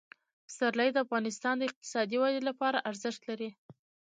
پسرلی د افغانستان د اقتصادي ودې لپاره ارزښت لري.